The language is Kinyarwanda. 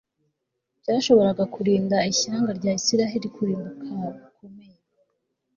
cyashoboraga kurinda ishyanga rya Isirayeli kurimbuka gukomeye